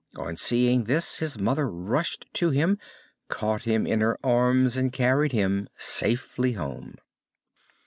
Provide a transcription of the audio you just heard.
On seeing this, his mother rushed to him, caught him in her arms, and carried him safely home.